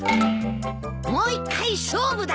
もう１回勝負だ！